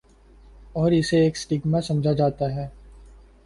اور اسے ایک سٹیگما سمجھا جاتا ہے۔